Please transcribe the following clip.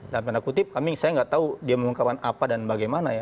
dalam tanda kutip saya nggak tahu dia mengungkapkan apa dan bagaimana ya